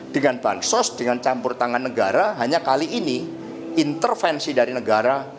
dengan bansos dengan campur tangan negara hanya kali ini intervensi dari negara